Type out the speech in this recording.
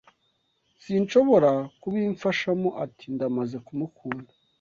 "Sinshobora kubimfashamo", ati: "Ndamaze kumukunda".